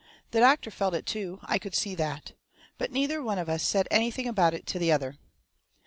The doctor felt it too, I could see that. But neither one of us said anything about it to the other.